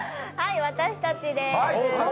私たちです。